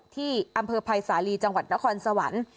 ที่อำเภอภัยสาลีจังหวัดนครสวรรค์